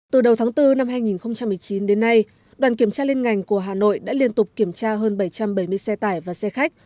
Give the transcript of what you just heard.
từ đầu tháng bốn năm hai nghìn một mươi chín đến nay đoàn kiểm tra liên ngành của hà nội đã liên tục kiểm tra hơn bảy trăm bảy mươi xe tải và xe khách